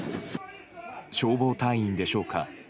消防隊員でしょうか。